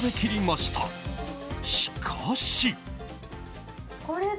しかし。